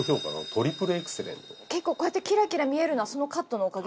こうやってキラキラ見えるのはそのカットのおかげ？